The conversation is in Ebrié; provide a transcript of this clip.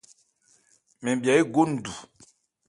Mɛn mya égo ndu.